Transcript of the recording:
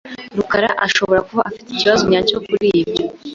rukaraashobora kuba afite ikibazo nyacyo kuri ibyo.